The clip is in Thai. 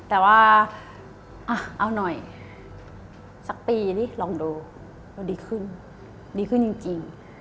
แต่ว่าเอาหน่อยสักปีดิลองดูเราดีขึ้นดีขึ้นจริง